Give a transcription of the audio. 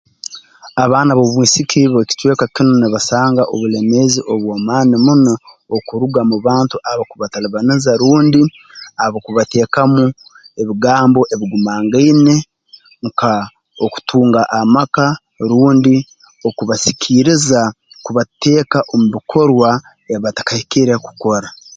Abaana b'obwisiki b'ekicweka kinu nibasanga obulemeezi obw'amaani muno okuruga mu bantu abakubatalibaniza rundi abakubateekamu ebigambo ebigumangaine nka okutunga amaka rundi okubasikiiriza kubateeka omu bikorwa ebi batakahikire kukora